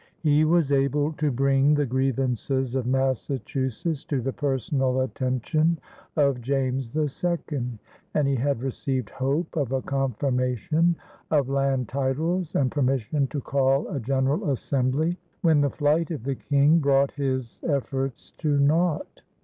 He was able to bring the grievances of Massachusetts to the personal attention of James II; and he had received hope of a confirmation of land titles and permission to call a general assembly, when the flight of the King brought his efforts to naught.